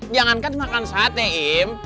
jangankan makan sate im